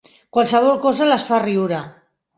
Qualsevol cosa les fa riure.